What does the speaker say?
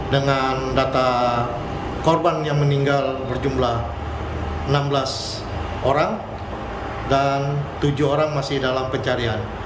dengan data korban yang meninggal berjumlah enam belas orang dan tujuh orang masih dalam pencarian